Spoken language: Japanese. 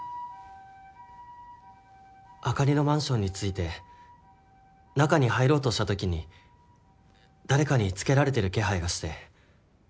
あかりのマンションに着いて中に入ろうとしたときに誰かにつけられてる気配がして。